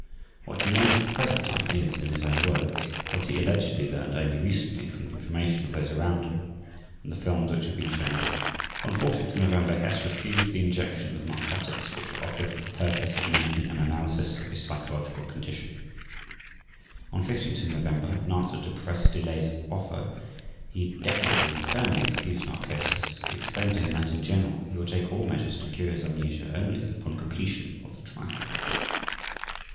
What he knows at the present time is, in his own words, what he allegedly learned only recently from the information of those around him and the films which have been shown him. On 14 November Hess refused the injection of narcotics which were offered for the purpose of making an analysis of his psychological condition. On 15 November, in answer to Professor Delay's offer, he definitely and firmly refused narcosis and explained to him that, in general, he would take all measures to cure his amnesia only upon completion of the Trial.